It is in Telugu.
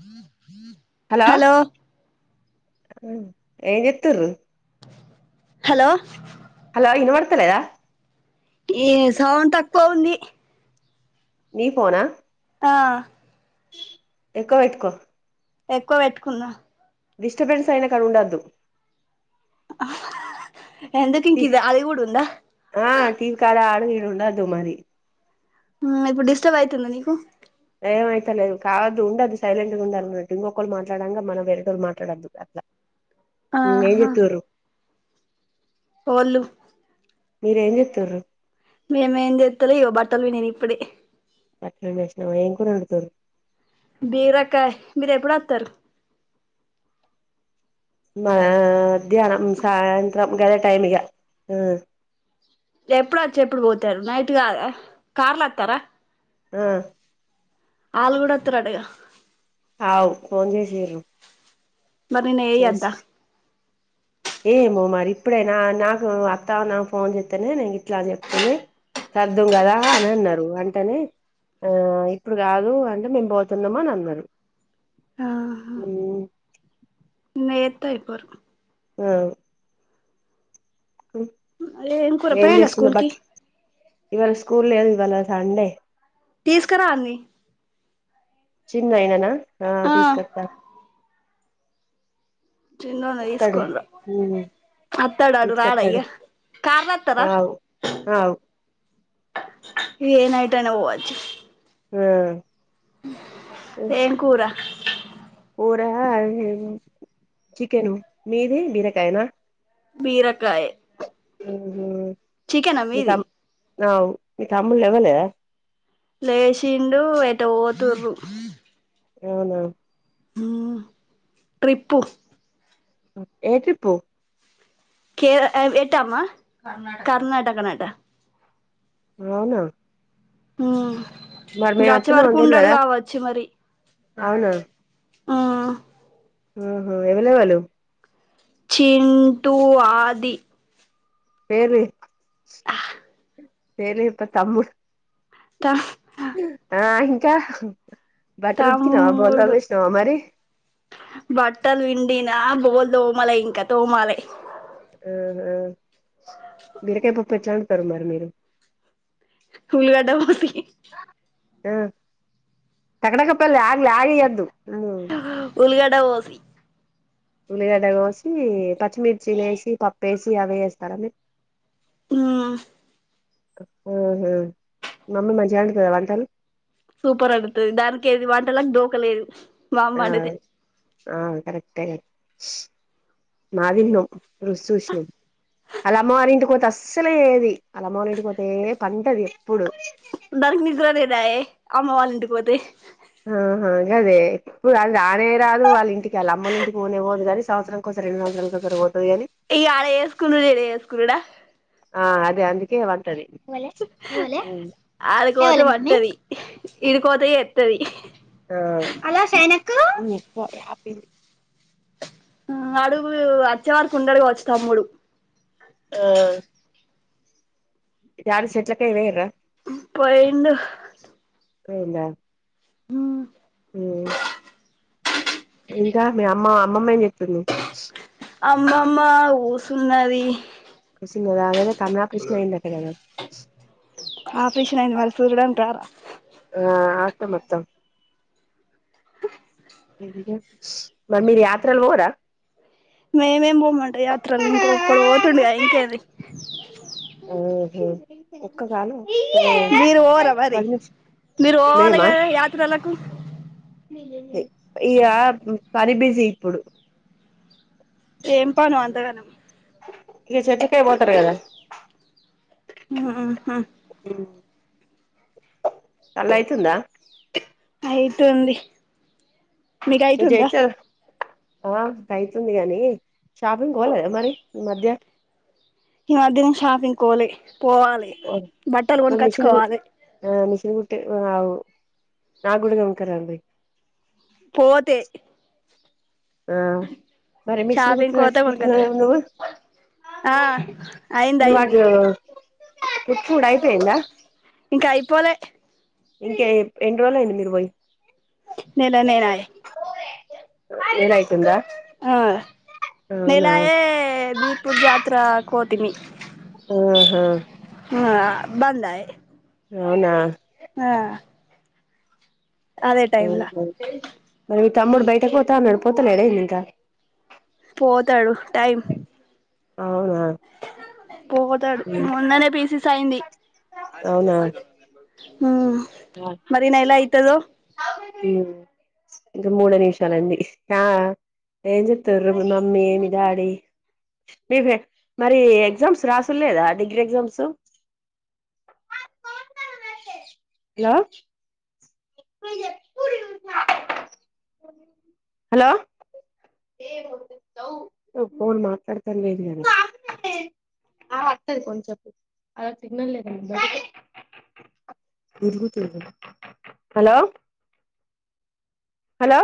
ఉమ్ హలో ఏన్ జేత్తరు హలో ఇనపడ్తలేదా ఏ సౌండ్ తక్కువ ఉంది నీ పోనా ఆ ఎక్కువ పెట్కో ఎక్కువ పెట్టుకుందా డిస్టర్బెన్స్ అయిన కాడ ఉండద్దు ఎందుకింక ఇది అదిగూడుందా ఉండదు మరి మ్మ్ ఇప్పుడు డిస్టర్బ్ అయితుందా నీకు ఏమైతలేదు కాదు ఉండదు సైలెంట్ గా ఉండాలి అన్నట్టు ఇంకొకల్లు మాట్లాడంగా మనం వేరేటోళ్ళు మాట్లాడొద్దు అట్లా నేజుత్తూరు ఓల్లు మీరేంచేత్తుర్రు మేమేం చేత్తలే ఇగో బట్టలు పిండిన నేను ఇప్పుడే అట్లే చేసినావా ఏం కూర వండుతుర్రు బీరకాయ్ మీరెప్పుడొత్తారు మ మధ్యానం సాయంత్రం గదే టైమిగా మ్మ్ ఎప్పుడు వచ్చి ఎప్పుడు పోతారు నైట్ కాదా కార్లత్తార ఆ ఆళ్ళు కూడొత్తారట ఇగ అవు ఫోన్ చేసిర్రు మరి నీనెయ్యద్ద చేసి ఏమో మరి ఇప్పుడేనా నాకు అత్తా నాకు ఫోన్ చేత్తేనే నేను గిట్ల అని చెప్తేనే సర్దుం కదా అని అన్నారు అంటేనే ఆ ఇప్పుడు కాదు అంటే మేం పోతున్నాము అని అన్నరు మ్మ్ నేత్తే అయిపోరు ఆ అదె ఏం కూర పోయిండా చేస్తున్నా స్కూల్కి బట్ ఇవాళ స్కూల్ లేదు ఇవాళ సండే తీసుకురాన్ని చిన్నయేననా ఆ తీస్ కత్తా చిన్నోన్ని వస్తాడు తీస్కొని రా అత్తడా ఆడు రాడా ఇగ తీసుకొస్తాడు కార్లత్తరా అవు అవు ఇ ఏనయిటయిన పోవచ్చు ఆ ఏం కూర కూరా చికెన్ మీది బీరకాయనా బీరకాయ్ ఓహొ చికెనా మీది నావ్ మీ తమ్ముల్లెవరు లేరా లేసిండు ఎటో పోతుండు అవునా హ్మ్ ట్రిప్పు ఏ ట్రిప్పు? కే ఎట్టమ్మ? కర్ణాటకనట అవునా హ్మ్ మరి మేము మీరచ్చే వస్తున్నాం వరకు అని ఉండడు తెల్వదా గావచ్చు మరి. అవునా ఆ ఆహా ఎవలేవలు? చింటు ఆది పేర్లి పేర్లు చెప్త తమ్ము త ఆ ఇంకా బట్టలుతికినవ, తమ్ముడు బోల్తోమేషనవ మరి? బట్టలు పిండినా, బోల్ దోమలే ఇంక తోమాలే. ఆ హా బీరకాయ్ పప్పెట్లోండుత్ తరు మరి మీరు? ఉల్గడ్డ కోసి ఆ, టకటకప్పలే, ఆగిల్ ఆగి య్యొద్దు. ఉల్గ డ్డ కోసి ఉల్లిగడ్డ కోసి, పచ్చిమిర్చి యేసి, పప్పేసి అవే చేస్తరా మీరు? హ్మ్ ఉంహు, మమ్మీ మంచిగండుతదా వంటలు? సూపర్ అండుతది దానికి ఏంది వంటకి డోకలేదు. ఆ మామ్మండుతే ఆ కరెక్టే మారిండు రుష్చూసినం, అలా అమ్మవాలింటికి పోతే అస్సలే చేయది ఆళ్ల అమ్మవాళ్ల ఇంటిక్ మతే పంటది ఎప్పుడు. దాయే, అమ్మ వాళ్ళంటికి పోతే ఆహా గదే ఎప్పుడు అది రానే రాదు అల్లిన్టికి ఆళ్ళ అమ్మోల్లింటికి పోనే పోదు కనీ సంవత్సరం కోసారి, రెండు సంవత్సరాలకోసారి పోతది కని ఇగ ఆడ చేస్కునుడు, ఈడ చేస్కునుడా? ఆ అదే అందుకే పంటది. ఆడిక్పోతె పంటది, ఈడిక్పోతే చేత్తది. పోయి ఆపింది ఆ అడుగు, అచ్చేవారకుండడు గావచ్చు తమ్ముడు. ఆ యాడు చెట్లకెల్ పోయిన్రా? పోయిండు పోయిండా హ్మ్ ఉమ్ ఇంక మి అమ్మా అమ్మమ్మ ఎంచెత్తుంది. అమ్మమ్మ ఊసున్నది. సింగ రాగనె ఆప్రేషనైంది వాళ్ళు చూడడం. రార ఆ అత్త మొత్తం, మరి మీరు యాత్రలు పోరా. మేమేం పోమంట యాత్రలు ఇంకొక్కడు పోతుండగా ఇంకేది. ఓహొ ఒక్క కాను. మీరు ఓరా మరి, మీరు పోవాలగద యాత్రల అ ఇ ఇగ పని బిజీ ఇప్పుడు. ఏం పనో అంతగానం. ఇక చెట్లకాయ్ పోతరు కదా. ఆహ హు అల ఐతుందా. ఐతూంది. నువ్వు మీగైతుందా. చేయొచ్చు ఆ కయితుంది గాని. షాపింగ్ కొవాలె మరి ఇమధ్య ఇం మథ్థిన షాపింగ్ కోలె పోవాలి బట్టలు కొన్కచ్చుకోవాలి. తె వావు, నా కూడ కొన్కరాండ్రి. పోతే ఆ మరి మిషన్ కుట్టు షాపింగ్ పోతే కొనుకత్త నేచుంకుంటునవె నువు, ఆ అయింది నువ్ అయింది అడ్రొ కుట్టుడు అయిపియింద ఇంక అయిపోలే ఇంకెయ్ ఎన్న్ రోల్ళ్ ఐంది మీర్ పోయ్. నేనా నేనాయ నెనయితుంద. ఆ నెలయే బీద్ పూర్ జాత్ర కో తిని ఆహా ఆ బందయ్ అవునా ఆ అదే టైమ్లా ఓహొ మరి తమ్ముడు బయటకు పోతా అన్నాడు, పోతునడే ఇంక పోతాడు టైమ్ అవునా పోతాడు మొన్ననే పీసిసై ంది ఆ దాత్ హ్మ్ ఇంకా మూడే నిమిషాలండి. ఆ ఏం చేత్తర్రు మీ మమ్మీ మీ డాడీ మీర్ మరి ఎగ్జామ్స్ రాసుల్లేదా degree exams? Hello hello [unintelligible] phone మాట్లాడత లేదు కదా తిరుగుతుంది హలో హలో